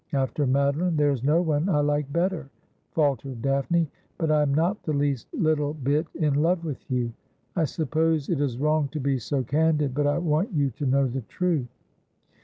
After Madoline there is no one I like better,' faltered Daphne ;' but I am not the least little bit in love with you. I suppose it is wrong to be so candid ; but I want you to know the truth.'